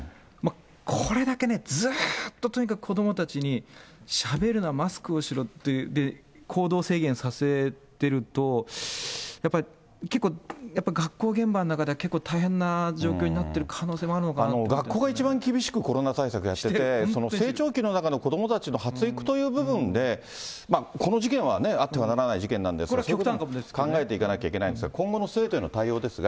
これだけね、ずーっととにかく子どもたちにしゃべるな、マスクをしろって、行動制限させてると、やっぱり、結構、学校現場の中では結構大変な状況になってる可能性もあるのかなっ学校が一番厳しくコロナ対策をやってて、成長期の中の子どもたちの発育という部分で、この事件はあってはならない事件なんですが、考えていかなきゃいけないんですが、今後の生徒への対応ですが。